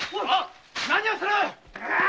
何をする！